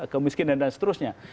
kemiskinan dan seterusnya